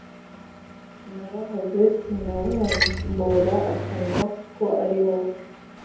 Narahoze sinabumbura akanwa Kuko ari wowe